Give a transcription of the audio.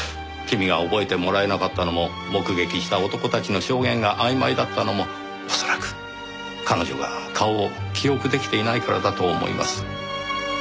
君が覚えてもらえなかったのも目撃した男たちの証言があいまいだったのも恐らく彼女が顔を記憶出来ていないからだと思います。